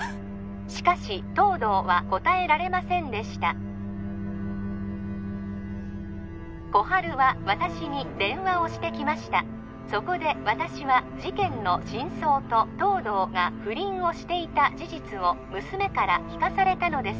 しかし東堂は答えられませんでした心春は私に電話をしてきましたそこで私は事件の真相と東堂が不倫をしていた事実を娘から聞かされたのです